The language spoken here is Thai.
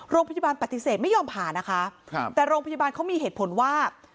โรงพยาบาลปฏิเสธไม่ยอมผ่านะคะครับแต่โรงพยาบาลเขามีเหตุผลว่า